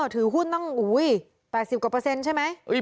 ถือหุ้นตั้ง๘๐กว่าเปอร์เซ็นต์ใช่ไหม